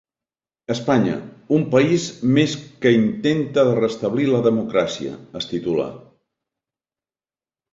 Espanya: un país més que intenta de restablir la democràcia, es titula.